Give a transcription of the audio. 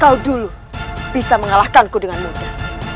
kau dulu bisa mengalahkanku dengan mudah